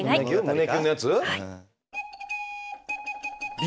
胸キュンのやつ？